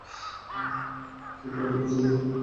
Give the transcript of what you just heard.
তিনি বারবার বিজয়ী হন।